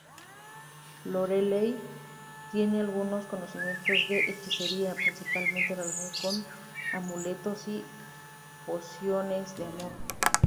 Lorelei tiene algunos conocimientos de hechicería, principalmente relacionados con amuletos y pociones de amor.